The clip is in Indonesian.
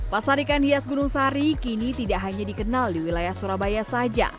pasar ikan hias gunung sari kini tidak hanya dikenal di wilayah surabaya saja